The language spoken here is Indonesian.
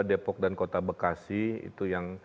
depok dan kota bekasi itu yang